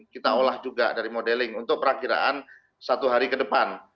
kita olah juga dari modeling untuk perakiraan satu hari ke depan